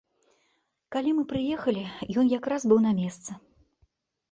Калі мы прыехалі, ён якраз быў на месцы.